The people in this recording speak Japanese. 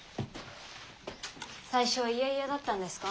最初はいやいやだったんですか？